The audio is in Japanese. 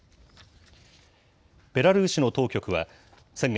ベラルーシの当局は先月、